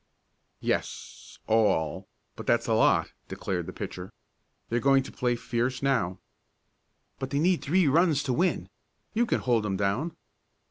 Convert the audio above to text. "Yes all but that's a lot," declared the pitcher. "They're going to play fierce now." "But they need three runs to win. You can hold 'em down!"